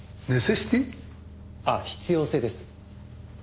ああ必要性です。